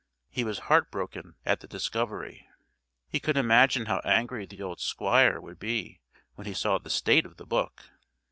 He was heartbroken at the discovery. He could imagine how angry the old Squire would be when he saw the state of the book.